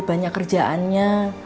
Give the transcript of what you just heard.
ada banyak kerjaannya